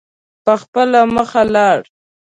په خپله مخ لاړ.